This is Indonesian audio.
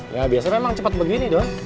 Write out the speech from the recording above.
ya biasa emang cepet begini doi